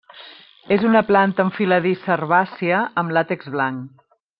És una planta enfiladissa herbàcia amb làtex blanc.